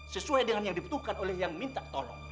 sesuai dengan yang dibutuhkan oleh yang minta tolong